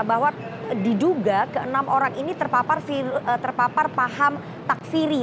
bahwa diduga ke enam orang ini terpapar paham takfiri